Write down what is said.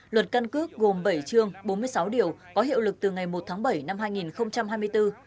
luật căn cước gồm bảy chương bốn mươi sáu điều có hiệu lực từ ngày một tháng bảy năm hai nghìn hai mươi bốn